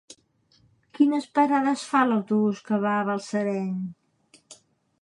Quines parades fa l'autobús que va a Balsareny?